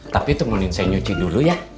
tapi temunin saya nyuci dulu ya